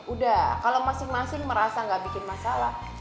udah kalau masing masing merasa gak bikin masalah